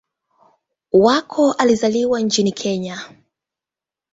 Wako alizaliwa nchini Kenya.